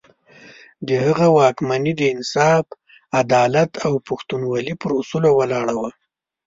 د هغه واکمني د انصاف، عدالت او پښتونولي پر اصولو ولاړه وه.